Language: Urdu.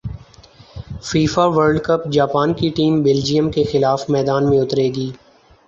فیفا ورلڈ کپ جاپان کی ٹیم بیلجیئم کیخلاف میدان میں اترے گی